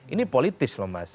ini politis mbak siti